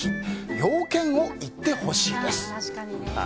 用件を言ってほしいです。